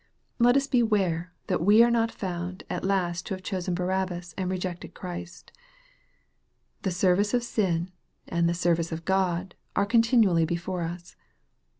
Let us beware that we are not found at last to have chosen Barabbas and rejected Christ. The service of sin and the service of God are continually before us.